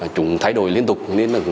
chúng thay đổi liên tục nên rất khó